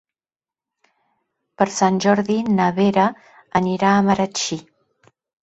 Per Sant Jordi na Vera anirà a Marratxí.